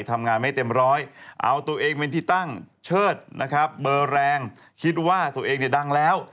ทำงานไม่เต็มร้อยเอาตัวเองเป็นที่ตั้งเชิดนะครับเบอร์แรงคิดว่าตัวเองเนี่ยดังแล้ว